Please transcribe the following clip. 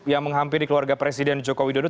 yang menghampiri keluarga presiden jokowi dodo